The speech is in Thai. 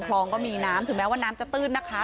ก็มีน้ำถึงแม้ว่าน้ำจะตื้นนะคะ